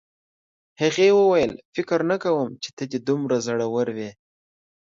هغې وویل فکر نه کوم چې ته دې دومره زړور وې